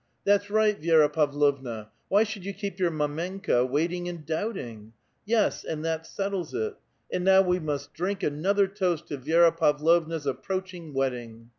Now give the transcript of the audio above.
" That's right, Vi^ra Pavlovna ; why should you keep your mdmenka waiting and doubting ?' Yes,' and that settles it. And now we must drink another toast to Vi^ra Pavlovna's approaching wedding.